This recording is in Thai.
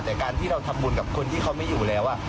แต่การที่เราทำบุญกับคนที่เขาไม่อยู่แล้ว